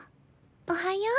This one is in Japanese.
おはよう。